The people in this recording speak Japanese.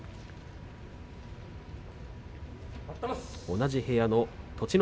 同じ部屋の栃ノ